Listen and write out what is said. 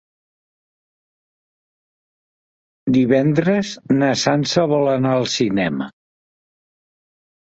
Divendres na Sança vol anar al cinema.